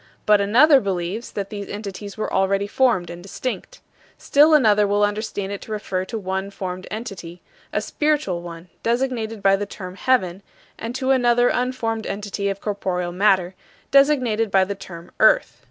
But another believes that these entities were already formed and distinct. Still another will understand it to refer to one formed entity a spiritual one, designated by the term "heaven" and to another unformed entity of corporeal matter, designated by the term "earth."